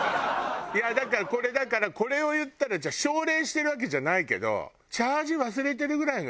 いやだからこれを言ったらじゃあ奨励してるわけじゃないけど。